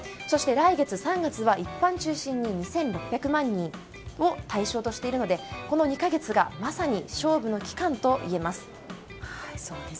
そして来月は一般中心に２６００万人を対象としているのでこの２か月がまさに勝負の期間といえます。